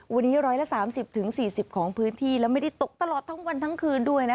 วันนี้๑๓๐๔๐ของพื้นที่และไม่ได้ตกตลอดทั้งวันทั้งคืนด้วยนะคะ